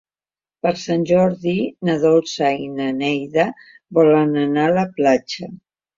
Per Sant Jordi na Dolça i na Neida volen anar a la platja.